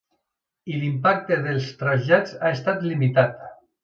I l’impacte dels trasllats ha estat limitat.